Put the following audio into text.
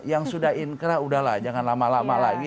yang sudah inkrah udahlah jangan lama lama lagi